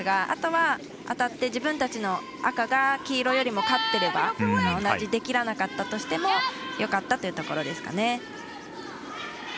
あとは当たって自分たちの赤が黄色よりも勝ってれば、同じ出きらなかったとしてもよかったというところですね。